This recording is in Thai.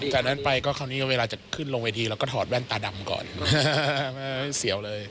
จากนั้นไปูบ้านเวลาก็จะขึ้นลงเวทีแล้วก็ถอดแว่นตาดำก่อนเสียวเลย